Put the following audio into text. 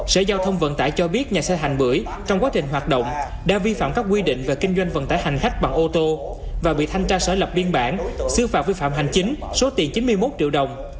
sở giao thông vận tải cho biết nhà xe thành bưởi trong quá trình hoạt động đã vi phạm các quy định về kinh doanh vận tải hành khách bằng ô tô và bị thanh tra sở lập biên bản xư phạm vi phạm hành chính số tiền chín mươi một triệu đồng